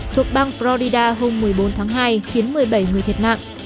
thuộc bang florida hôm một mươi bốn tháng hai khiến một mươi bảy người thiệt mạng